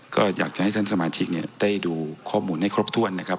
ก็อยากจะให้ท่านสมาชิกได้ดูข้อมูลให้ครบถ้วนนะครับ